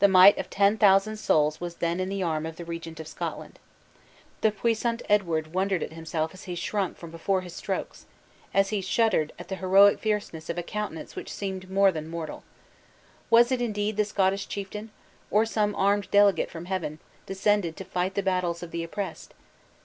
The might of ten thousand souls was then in the arm of the Regent of Scotland. The puissant Edward wondered at himself as he shrunk from before his strokes; as he shuddered at the heroic fierceness of a countenance which seemed more than mortal. Was it indeed the Scottish chieftain? or some armed delegate from heaven, descended to flight the battles of the oppressed?